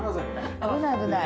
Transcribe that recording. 危ない危ない。